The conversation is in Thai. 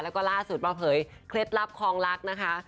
แล้วก็ล่าสุดมาเผยเคล็ดลับคลองรักนะคะ